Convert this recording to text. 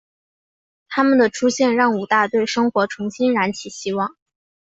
她们的出现让武大对生活重新燃起希望。